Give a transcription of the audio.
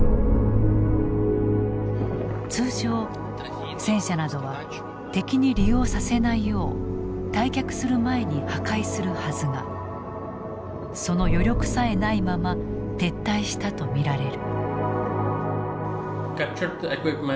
通常戦車などは敵に利用させないよう退却する前に破壊するはずがその余力さえないまま撤退したと見られる。